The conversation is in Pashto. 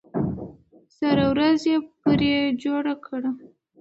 سره ورځ یې پرې جوړه کړه.